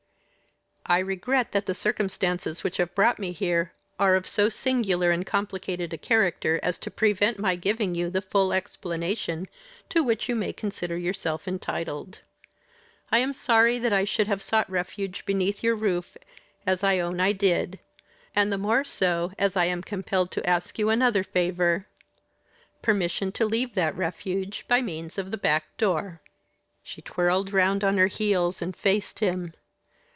"I regret that the circumstances which have brought me here are of so singular and complicated a character as to prevent my giving you the full explanation to which you may consider yourself entitled. I am sorry that I should have sought refuge beneath your roof as I own I did; and the more so as I am compelled to ask you another favour permission to leave that refuge by means of the back door." She twirled round on her heels and faced him.